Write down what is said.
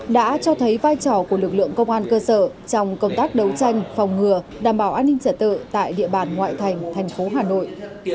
đã cho thấy vai trò của lực lượng công an cơ sở trong công tác đấu tranh phòng ngừa đảm bảo an ninh trả tự tại địa bàn ngoại thành thành phố hà nội